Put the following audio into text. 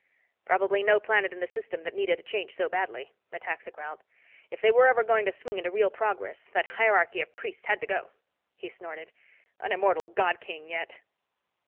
"Probably no planet in the system that needed a change so badly," Metaxa growled. "If they were ever going to swing into real progress, that hierarchy of priests had to go." He snorted. "An immortal God King, yet."